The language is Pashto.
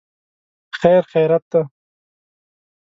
خیر خیریت دی.